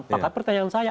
pakat pertanyaan saya